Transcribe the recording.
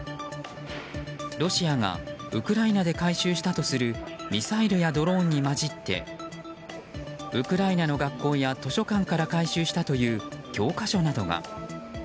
ロシアがウクライナで回収したとするミサイルやドローンに交じってウクライナの学校や図書館から回収したという教科書などが。